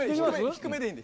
低めでいいんで。